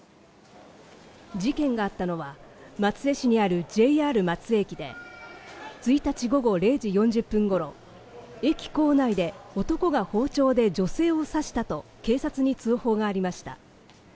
事件があったのは松江市にあるＪＲ松江駅で、１日午後０時４０分頃、駅構内で男が包丁で女性を刺したと警察に通報がありました。